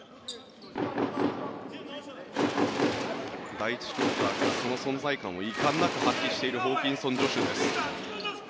第１クオーターからその存在感を遺憾なく発揮しているホーキンソン・ジョシュです。